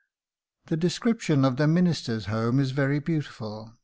'" The description of the minister's home is very beautiful.